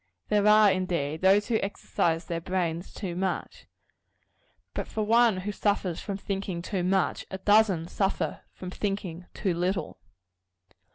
There are, indeed, those who exercise their brains too much; but for one who suffers from thinking too much, a dozen suffer from thinking too little.